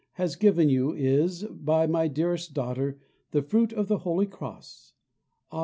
has given you is, my dearest daughter, the fruit of the holy cross. Ah!